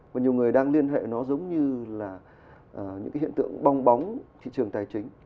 và nhiều người đang liên hệ nó giống như là những cái hiện tượng bong bóng thị trường tài chính